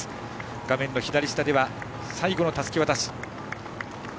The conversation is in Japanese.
画面左下では最後のたすき渡し。